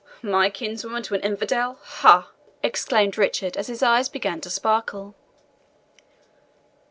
"My kinswoman to an infidel ha!" exclaimed Richard, as his eyes began to sparkle.